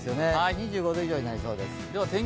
２５度以上になりそうです。